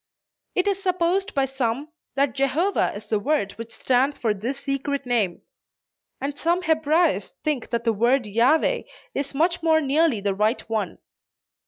It is supposed by some, that Jehovah is the word which stands for this secret name; and some Hebraists think that the word "Yahveh" is much more nearly the right one.